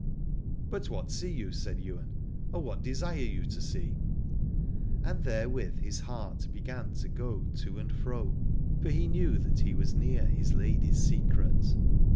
But what see you, said Ywain, or what desire you to see? And therewith his heart began to go to and fro, for he knew that he was near his lady's secret.